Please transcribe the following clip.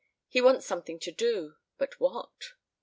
He wants something to do, but what?